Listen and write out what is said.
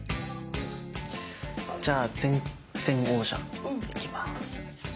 じゃあ前前王者いきます。